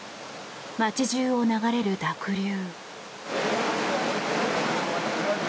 街中を流れる濁流。